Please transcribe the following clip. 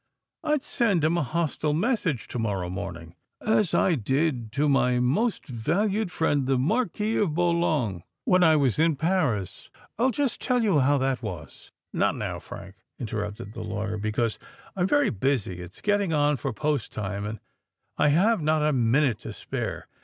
I'd send him a hostile message to morrow morning—as I did to my most valued friend, the Marquis of Boulogne, when I was in Paris. I'll just tell you how that was——" "Not now Frank," interrupted the lawyer; "because I'm very busy. It's getting on for post time—and I have not a minute to spare.